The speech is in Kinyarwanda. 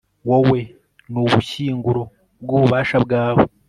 wowe, n'ubushyinguro bw'ububasha bwawe